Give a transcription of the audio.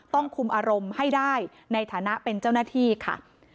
ต้องคุมอารมณ์ให้ได้ในฐานะเป็นเจ้าหน้าที่ค่ะ